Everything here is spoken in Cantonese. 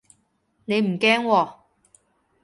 你唔驚喎